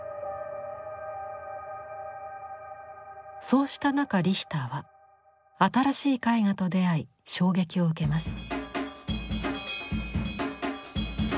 そうした中リヒターは新しい絵画と出会い衝撃を受けます。